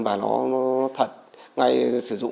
và nó thật sử dụng